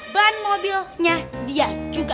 ban mobilnya dia juga